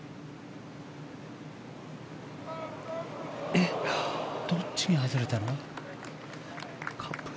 えっ、どっちに外れたの？